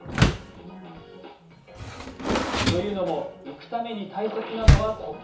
というのも浮くために大切なのは呼吸。